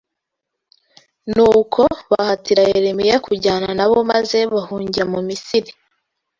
Nuko bahatira Yeremiya kujyana na bo maze bahungira mu Misiri